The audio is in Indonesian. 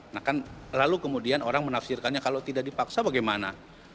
nah kan lalu kemudian orang menafsirkannya kalau tidak dipaksa bagaimana